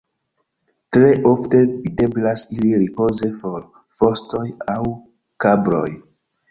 Tre ofte videblas ili ripoze sur fostoj aŭ kabloj.